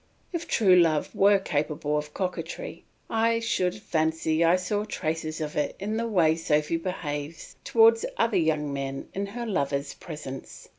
If true love were capable of coquetry, I should fancy I saw traces of it in the way Sophy behaves towards other young men in her lover's presence.